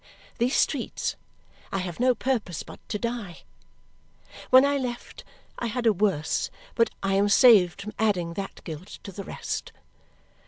These streets! I have no purpose but to die. When I left, I had a worse, but I am saved from adding that guilt to the rest.